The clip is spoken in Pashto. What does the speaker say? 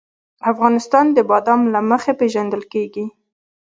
افغانستان د بادام له مخې پېژندل کېږي.